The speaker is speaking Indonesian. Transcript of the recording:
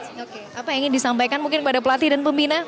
oke apa yang ingin disampaikan mungkin kepada pelatih dan pembina